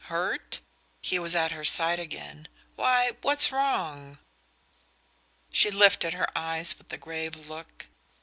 Hurt?" He was at her side again. "Why, what's wrong?" She lifted her eyes with a grave look.